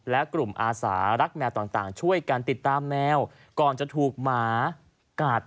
และกลุ่มอาสารักแมวต่างช่วยกันติดตามแมวก่อนจะถูกหมากัด